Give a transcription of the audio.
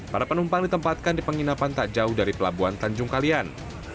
para penumpang ditempatkan di penginapan tak jauh dari pelabuhan tanjung kalian